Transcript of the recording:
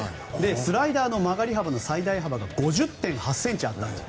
スライダーの曲がり幅の最大幅が５０．８ｃｍあったと。